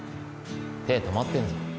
手ぇ止まってんぞ。